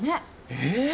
えっ。